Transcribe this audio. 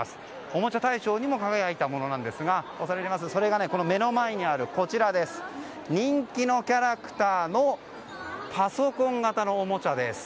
おもちゃ大賞にも輝いたものですがそれが、目の前にある人気のキャラクターのパソコン型のおもちゃです。